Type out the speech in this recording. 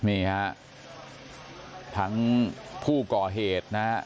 มือทางผู้ก่อเหตุนะครับ